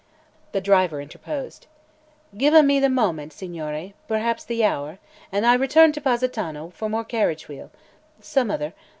The driver interposed. "Give a me the moment, Signore perhaps the hour an' I return to Positano for more carriage wheel some other.